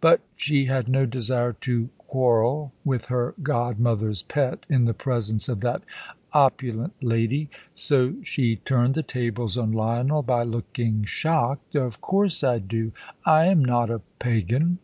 But she had no desire to quarrel with her godmother's pet in the presence of that opulent lady, so she turned the tables on Lionel by looking shocked. "Of course I do. I am not a pagan."